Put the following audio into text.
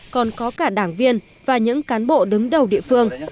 còn có cả đảng viên và những cán bộ đứng đầu địa phương